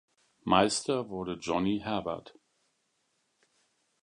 Meister wurde Johnny Herbert.